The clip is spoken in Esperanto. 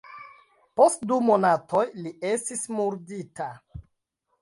Post du monatoj li estis murdita.